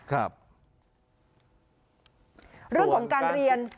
เรื่องของการเรียน